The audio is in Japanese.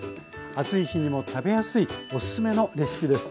暑い日にも食べやすいおすすめのレシピです。